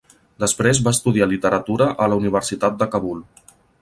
Després va estudiar Literatura a la Universitat de Kabul.